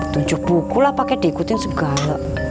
tunjuk bukulah pake diikutin segala